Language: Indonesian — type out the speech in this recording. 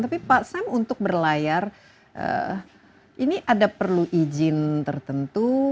tapi pak sam untuk berlayar ini ada perlu izin tertentu